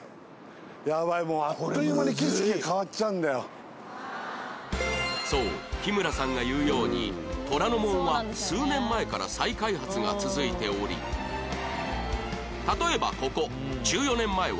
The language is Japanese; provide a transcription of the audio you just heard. やばいもうそう日村さんが言うように虎ノ門は数年前から再開発が続いており例えばここ１４年前はこのような景色だったが